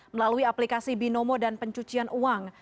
melalui aplikasi binomo dan pencucian uang